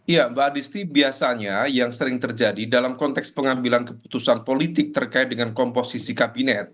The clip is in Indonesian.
ya mbak adisti biasanya yang sering terjadi dalam konteks pengambilan keputusan politik terkait dengan komposisi kabinet